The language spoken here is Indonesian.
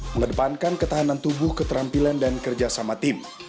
mengedepankan ketahanan tubuh keterampilan dan kerja sama tim